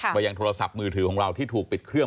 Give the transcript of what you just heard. มายังโทรศัพท์มือถือของเราที่ถูกปิดเครื่อง